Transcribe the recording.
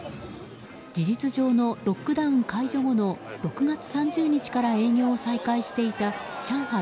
事実上のロックダウン解除後の６月３０日から営業を再開していた上海